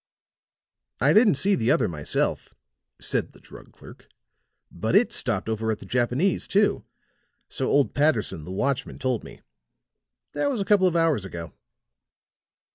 "I didn't see the other myself," said the drug clerk. "But it stopped over at the Japanese, too, so old Patterson, the watchman, told me. That was a couple of hours ago."